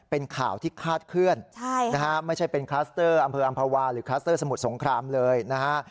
เป็นข่าวที่คาดเคลื่อนนะฮะไม่ใช่เป็นคลัสเตอร์อำเภออำภาวาหรือคลัสเตอร์สมุทรสงครามเลยนะฮะ